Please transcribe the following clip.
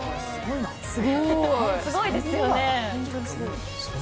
すごいですよね。